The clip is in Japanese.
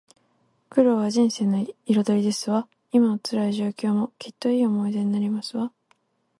苦労は人生の彩りですわ。今の辛い状況も、きっといい思い出になりますわ